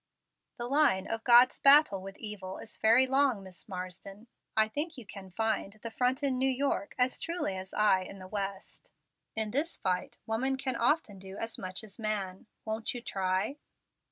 "The line of God's battle with evil is very long, Miss Marsden. I think you can find the front in New York as truly as I in the West. In this fight woman can often do as much as man. Won't you try?"